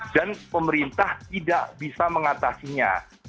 dan pemerintah tidak bisa mengatasinya